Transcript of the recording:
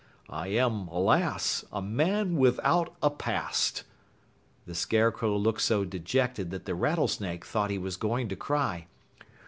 I am, alas, a man without a past!" The Scarecrow looked so dejected that the Rattlesnake thought he was going to cry.